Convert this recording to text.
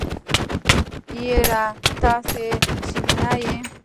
يره تاسې سېرېنا يئ.